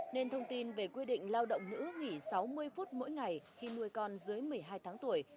nên thông tin về quy định lao động nữ nghỉ sáu mươi phút mỗi ngày khi nuôi con dưới một mươi hai tháng tuổi